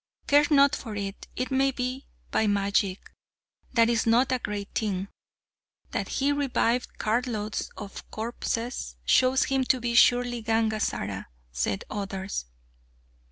"Care not for it; it may be by magic. That is not a great thing. That he revived cartloads of corpses shows him to be surely Gangazara," said others.